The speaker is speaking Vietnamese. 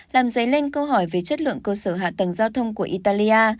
làm dấy lên câu hỏi về chất lượng cơ sở hạ tầng giao thông của italia